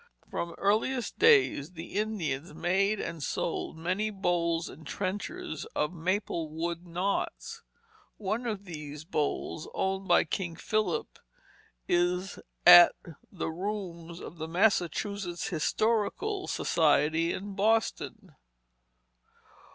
From earliest days the Indians made and sold many bowls and trenchers of maple wood knots. One of these bowls, owned by King Philip, is at the rooms of the Massachusetts Historical Society in Boston.